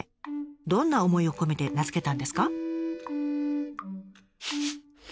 どんな思いを込めて名付けたんですか？